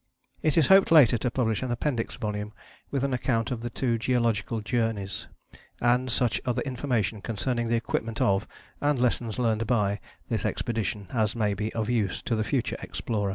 It is hoped later to publish an appendix volume with an account of the two Geological Journeys, and such other information concerning the equipment of, and lessons learned by, this Expedition as may be of use to the future explorer.